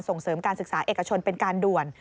ส่งเสริมการศึกษาเอกชนเป็นการด่วน